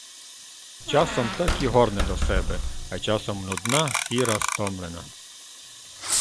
Часом так і горне до себе, а часом нудна, сіра, стомлена.